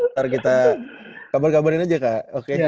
ntar kita kabar kabarin aja kak